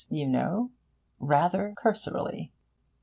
you know, rather cursorily...'